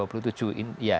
dua puluh tujuh persen ya